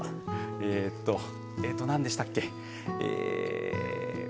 えっと、何でしたっけ。